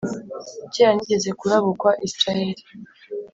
Kera nigeze kurabukwa Israheli,